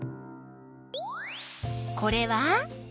これは？